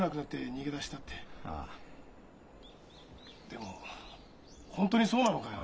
でも本当にそうなのかよ？